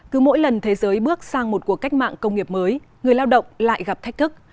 cứ mỗi lần thế giới bước sang một cuộc cách mạng công nghiệp mới người lao động lại gặp thách thức